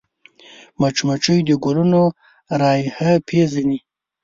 مچمچۍ د ګلونو رایحه پېژني